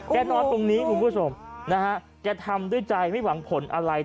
แก่นอนตรงนี้ลูกผู้สมแก่ทำด้วยใจไม่หวังผลอะไร